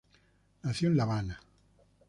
Nació en La Habana.